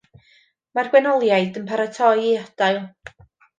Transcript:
Mae'r gwenoliaid yn paratoi i adael.